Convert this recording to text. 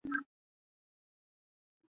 太临公路是回龙通向县城的第二通道。